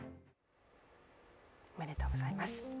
おめでとうございます。